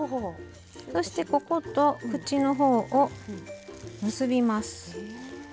そして、ここと口のほうを結びます。